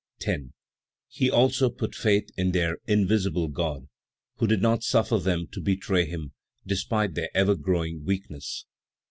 10. He also put his faith in their invisible God, who did not suffer them to betray Him, despite their ever growing weakness.